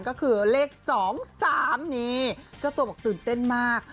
ก็คือเลข๒๓นี่เจ้าตัวบอกตื่นเต้นมาก